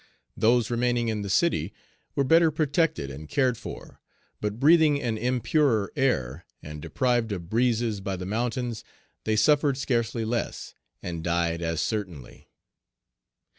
Those remaining in the city were better protected and cared for, but breathing an impurer air, and deprived of breezes by the mountains, they suffered scarcely less, and died as certainly.